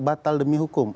batal demi hukum